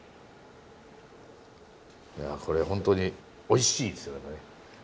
いやこれホントにおいしいですよね。